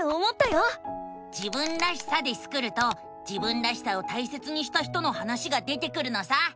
「自分らしさ」でスクると自分らしさを大切にした人の話が出てくるのさ！